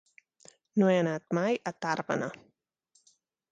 No he anat mai a Tàrbena.